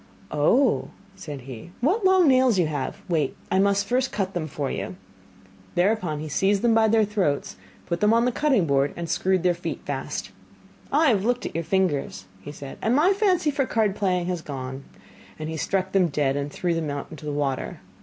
'Oh,' said he, 'what long nails you have! Wait, I must first cut them for you.' Thereupon he seized them by the throats, put them on the cutting board and screwed their feet fast. 'I have looked at your fingers,' said he, 'and my fancy for card playing has gone,' and he struck them dead and threw them out into the water.